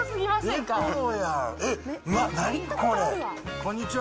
こんにちは。